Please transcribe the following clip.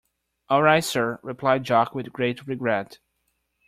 All right, Sir, replied Jock with great regret.